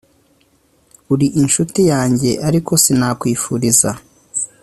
uri inshuti yanjye ariko sinakwifuriza